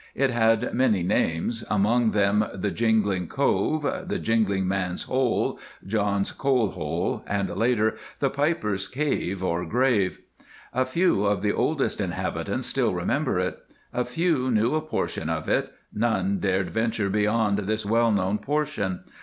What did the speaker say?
It had many names, among them the "Jingling Cove," "The Jingling Man's Hole," "John's Coal Hole," and later "The Piper's Cave, or Grave." A few of the oldest inhabitants still remember it. A few knew a portion of it; none dared venture beyond this well known portion.